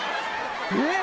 えっ⁉